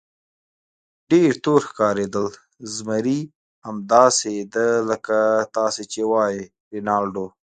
ډېر تور ښکارېدل، زمري: همداسې ده لکه تاسې چې وایئ رینالډو.